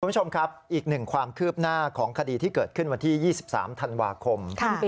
คุณผู้ชมครับอีกหนึ่งความคืบหน้าของคดีที่เกิดขึ้นวันที่๒๓ธันวาคม